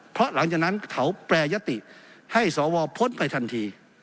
เพราะหลังจากนั้นเขาแปรยติให้สวพ้นไปทันที